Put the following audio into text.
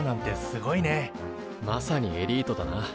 まさにエリートだな。